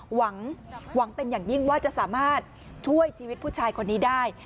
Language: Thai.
หวังเป็นอย่างยิ่งว่าจะสามารถช่วยชีวิตผู้ชายคนนี้ได้